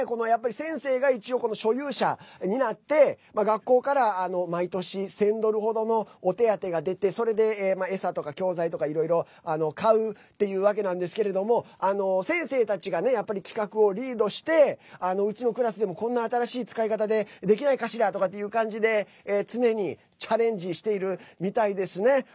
先生が一応、所有者になって学校から毎年１０００ドルほどのお手当てが出てそれで餌とか教材とかいろいろ買うというわけなんですけれども先生たちが、企画をリードしてうちのクラスでもこんな新しい使い方でできないかしら？とかという感じで常にチャレンジしているみたいですね。